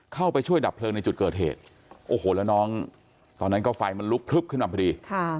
เข้าไปช่วยดับเพลิงในจุดเกิดเหตุโอ้โหแล้วน้องตอนนั้นก็ไฟมันลุกพลึบขึ้นมาพอดี